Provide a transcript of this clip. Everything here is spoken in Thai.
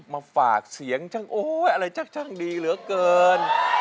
มาฝากเสียงช่างโอ๊ยอะไรช่างดีเหลือเกิน